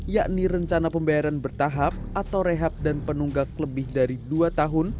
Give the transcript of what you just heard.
yakni rencana pembayaran bertahap atau rehab dan penunggak lebih dari dua tahun